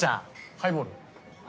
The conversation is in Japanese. ハイボール。